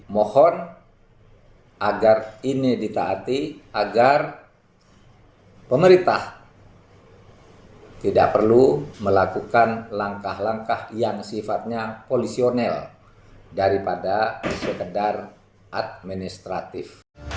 mohon agar ini ditaati agar pemerintah tidak perlu melakukan langkah langkah yang sifatnya polisionil daripada sekedar administratif